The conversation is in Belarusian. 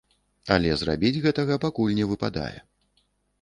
Але зрабіць гэтага пакуль не выпадае.